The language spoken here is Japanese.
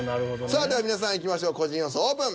さあでは皆さんいきましょう個人予想オープン。